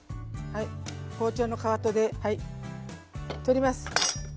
包丁のかかとで取ります。